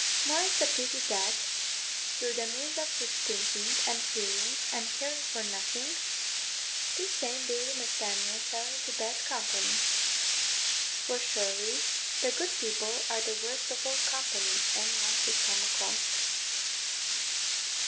More is the pity that, through the means of his thinking, and fearing, and caring for nothing, this same Billy Mac Daniel fell into bad company; for surely the good people are the worst of all company any one could come across.